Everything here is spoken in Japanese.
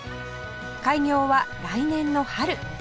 開業は来年の春